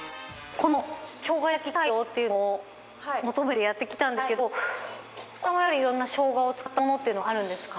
この生姜焼き街道っていうのを求めてやってきたんですけどこちらもやっぱりいろんな生姜を使ったものっていうのはあるんですか？